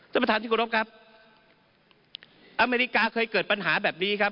ท่านประธานที่กรบครับอเมริกาเคยเกิดปัญหาแบบนี้ครับ